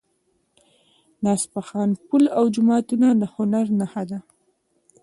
د اصفهان پل او جوماتونه د هنر نښه دي.